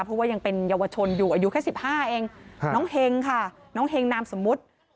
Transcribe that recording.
เพราะว่ายังเป็นเยาวชนอยู่อายุแค่๑๕เองน้องเฮงค่ะน้องเฮงนามสมมุติ